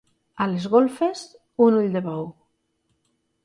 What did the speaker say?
A les golfes, un ull de bou.